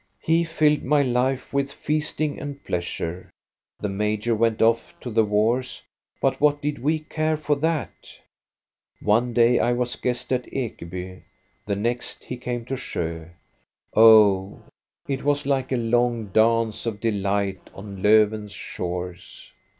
He filled my life with feasting and pleasure. The major went off to the wars, but what did we care for that? One day I was a guest at Ekeby, the next he came to Sjo. Oh, it was like a long dance of delight on Lofven's shores.